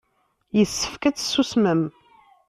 Yessefk ad tsusmem.